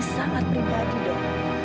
masalah ini sangat pribadi dok